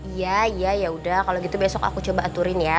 iya iya yaudah kalau gitu besok aku coba aturin ya